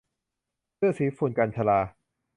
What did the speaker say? เสื้อสีฝุ่น - กัญญ์ชลา